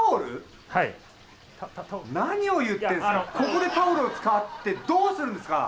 ここでタオルを使ってどうするんですか！